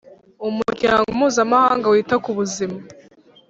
Umuryango mpuzamahanga wita ku buzima